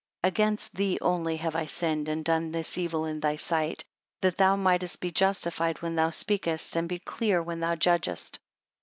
27 Against Thee only have I sinned, and done this evil in thy sight; that thou mightest be justified when thou speakest; and be clear when thou judgest.